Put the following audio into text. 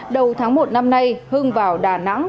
đầu tháng một năm nay hưng vào đà nẵng